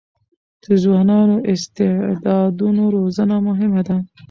د ځوانو استعدادونو روزنه مهمه ده.